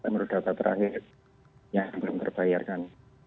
menurut data terakhir yang belum terbayarkan